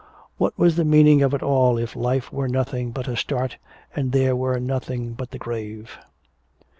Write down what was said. What was the meaning of it all if life were nothing but a start, and there were nothing but the grave?